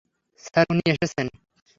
Sir, উনি এসেছেন।